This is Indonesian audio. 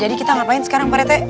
jadi kita ngapain sekarang pak rt